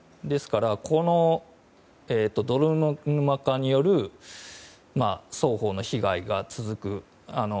ですから、この泥沼化による双方の被害が続く。